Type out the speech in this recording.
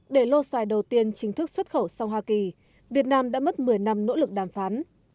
để lô xoài đầu tiên chính thức xuất khẩu sang hoa kỳ việt nam đã mất một mươi năm nỗ lực đàm phán